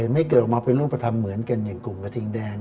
ไม่เกิดออกมาเป็นรูปธรรมเหมือนกันอย่างกลุ่มกระทิงแดง